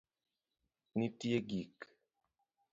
Nitie gik